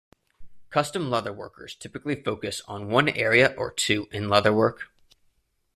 Custom leather workers typically focus on one area or two in leather work.